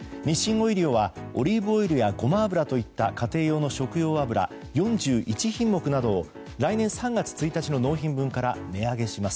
オイリオはオリーブオイルやごま油といった家庭用の食用油４１品目などを来年３月１日納品分から値上げします。